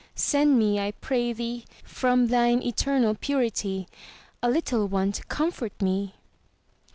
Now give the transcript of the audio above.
Send me, I pray thee, from thine eternal purity, a little one to comfort me."